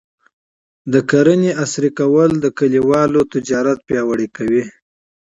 د زراعت عصري کول د کلیو اقتصاد پیاوړی کوي.